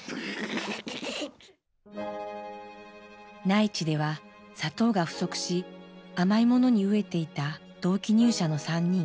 内地では砂糖が不足し甘いものに飢えていた同期入社の３人。